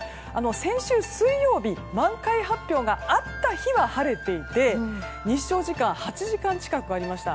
先週水曜日、満開発表があった日は晴れていて日照時間８時間近くありました。